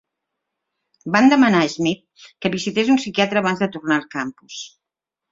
Van demanar a Schmidt que visités un psiquiatra abans de tornar al campus.